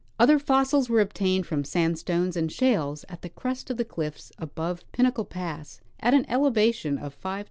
Other fossils were obtained from sandstones and shales at the crest of the cliffs above Pinnacle pass at an elevation of 5,000 feet.